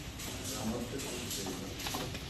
La morte sospesa